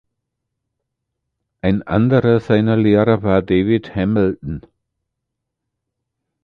Ein anderer seiner Lehrer war David Hamilton.